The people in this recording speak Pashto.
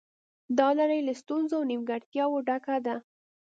دا لړۍ له ستونزو او نیمګړتیاوو ډکه ده